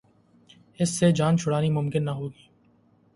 اس سے جان چھڑانی ممکن نہ ہوگی۔